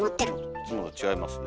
いつもと違いますね。